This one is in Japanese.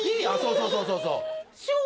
そうそうそうそう「しょう」